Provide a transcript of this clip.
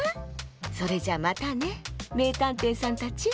それじゃまたねめいたんていさんたち。